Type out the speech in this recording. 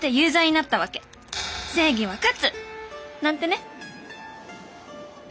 正義は勝つ！なんてね」。